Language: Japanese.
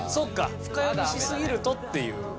深読みしすぎるとっていう事。